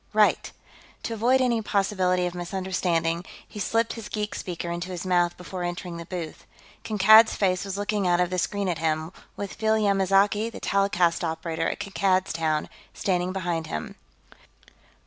"Right." To avoid any possibility of misunderstanding, he slipped his geek speaker into his mouth before entering the booth. Kankad's face was looking out of the screen at him, with Phil Yamazaki, the telecast operator at Kankad's Town, standing behind him.